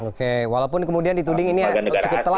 oke walaupun kemudian dituding ini cukup telat